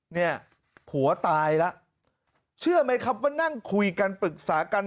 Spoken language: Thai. เนี่ยผัวตายแล้วเชื่อไหมครับว่านั่งคุยกันปรึกษากัน